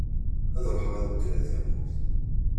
Ad ruḥeγ ad bedleγ tamurt.